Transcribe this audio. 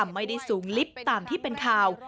ไม่ได้สูงลิฟต์ตามที่เป็นข่าว